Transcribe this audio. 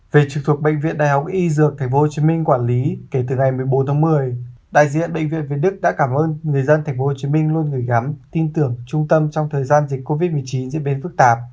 về trực thuộc bệnh viện đại học y dược tp hcm quản lý kể từ ngày một mươi bốn tháng một mươi đại diện bệnh viện việt đức đã cảm ơn người dân tp hcm luôn gửi gắm tin tưởng trung tâm trong thời gian dịch covid một mươi chín diễn biến phức tạp